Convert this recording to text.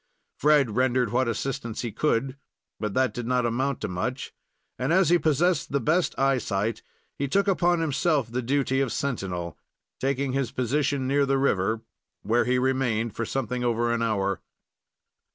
Fred rendered what assistance he could, but that did not amount to much, and, as he possessed the best eyesight, he took upon himself the duty of sentinel, taking his position near the river, where he remained for something over an hour.